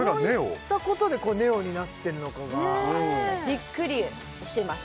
どういったことでネオになってるのかが明日じっくり教えます